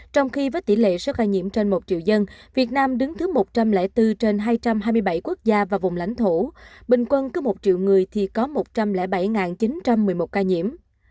trong khi với tỷ lệ số ca nhiễm trên một triệu dân việt nam đứng thứ một trăm linh bốn trên hai trăm hai mươi bảy quốc gia và vùng lãnh thổ bình quân cứ một triệu người thì có một trăm linh bảy chín trăm một mươi một ca nhiễm